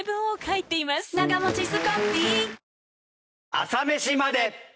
『朝メシまで。』。